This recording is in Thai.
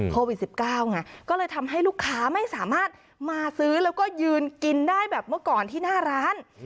โควิด๑๙ไงก็เลยทำให้ลูกค้าไม่สามารถมาซื้อแล้วก็ยืนกินได้แบบเมื่อก่อนที่หน้าร้าน